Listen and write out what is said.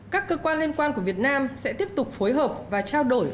các cơ quan liên quan của việt nam sẽ tiếp tục phối hợp và trao đổi